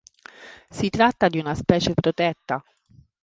Si tratta di una specie protetta.